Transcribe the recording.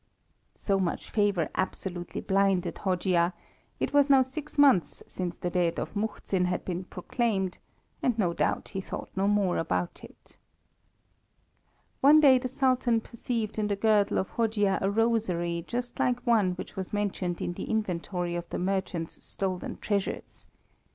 So much favour absolutely blinded Hojia, it was now six months since the death of Muhzin had been proclaimed, and no doubt he thought no more about it. One day the Sultan perceived in the girdle of Hojia a rosary just like one which was mentioned in the inventory of the merchant's stolen treasures.